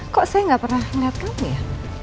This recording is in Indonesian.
kok saya nggak pernah ngeliat kamu ya